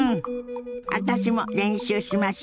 私も練習しましょ。